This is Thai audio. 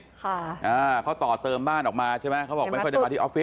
ค่ะอ่าเขาต่อเติมบ้านออกมาใช่ไหมเขาบอกไม่ค่อยได้มาที่ออฟฟี